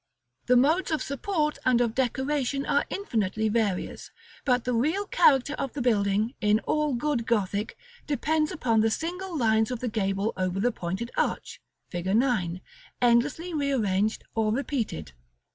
The modes of support and of decoration are infinitely various, but the real character of the building, in all good Gothic, depends upon the single lines of the gable over the pointed arch, Fig. IX., endlessly rearranged or repeated.